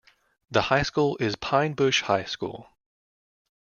The high school is Pine Bush High School.